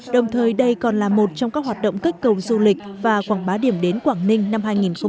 đồng thời đây còn là một trong các hoạt động kết cầu du lịch và quảng bá điểm đến quảng ninh năm hai nghìn hai mươi